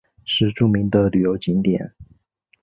是著名的旅游景点。